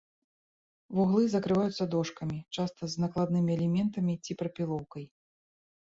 Вуглы закрываюцца дошкамі, часта з накладнымі элементамі ці прапілоўкай.